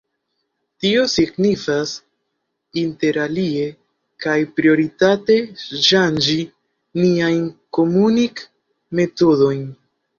Tio signifas interalie, kaj prioritate, ŝanĝi niajn komunik-metodojn.